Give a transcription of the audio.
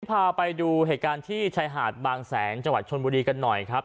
พาไปดูเหตุการณ์ที่ชายหาดบางแสนจังหวัดชนบุรีกันหน่อยครับ